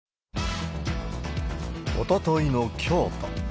おとといの京都。